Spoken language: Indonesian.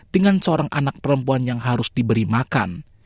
dengan seorang anak perempuan yang harus diberi makan